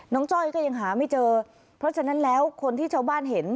จ้อยก็ยังหาไม่เจอเพราะฉะนั้นแล้วคนที่ชาวบ้านเห็น